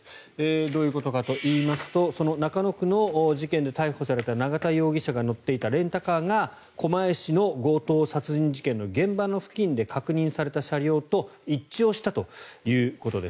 どういうことかといいますと中野区の事件で逮捕された永田容疑者が乗っていたレンタカーが狛江市の強盗殺人事件の現場の付近で確認された車両と一致したということです。